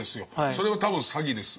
それは多分詐欺です。